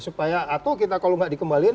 supaya atau kita kalau tidak dikembalikan